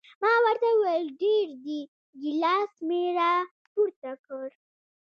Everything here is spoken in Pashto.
ما ورته وویل ډېر دي، ګیلاس مې را پورته کړ.